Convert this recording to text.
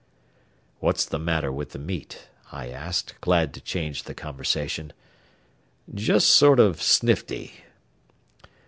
"What's the matter with the meat?" I asked, glad to change the conversation. "Jest sort o' snifty."